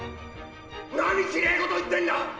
何きれい事言ってんだ！